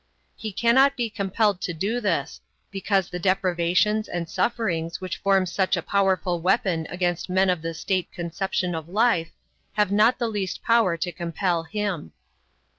He cannot be compelled to do this, because the deprivations and sufferings which form such a powerful weapon against men of the state conception of life, have not the least power to compel him.